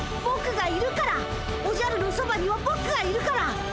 ぼくがいるからおじゃるのそばにはぼくがいるから！